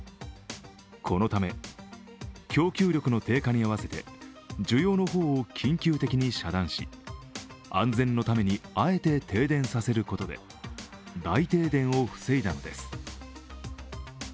このため、供給力の低下に合わせて需要の方を緊急的に遮断し安全のためにあえて停電させることで大停電を防いだのです。